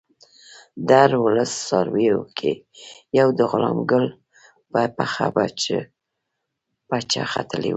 د هرو لسو څارویو کې یو د غلام ګل په پخه پچه ختلی وو.